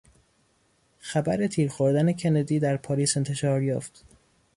خبر تیر خوردن کندی در پاریس انتشار یافت.